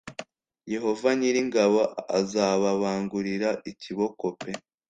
Yehova nyir ingabo azababangurira ikiboko p